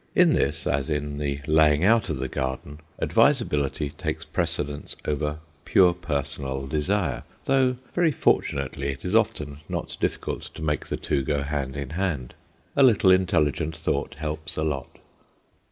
In this, as in the laying out of the garden, advisability takes precedence over pure personal desire, though, very fortunately, it is often not difficult to make the two go hand in hand; a little intelligent thought helps a lot.